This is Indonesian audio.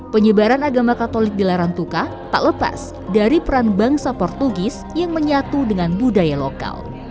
penyebaran agama katolik di larantuka tak lepas dari peran bangsa portugis yang menyatu dengan budaya lokal